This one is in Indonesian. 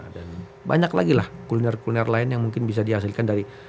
dan banyak lagi lah kuliner kuliner lain yang mungkin bisa dihasilkan dari